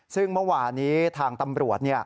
ซึ่งเมื่อวานี้ทางตำรวจ